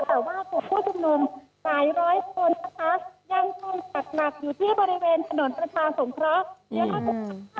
แต่ว่าตัวคู่ส่งนมหลายร้อยคนนะคะยังต้องกัดกลับอยู่ที่บริเวณถนนประชาสงเคราะห์